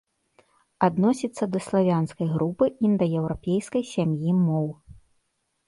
Адносіцца да славянскай групы індаеўрапейскай сям'і моў.